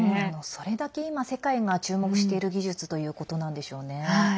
それだけ今、世界が注目している技術ということなんでしょうね。